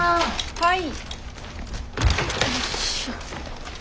はい。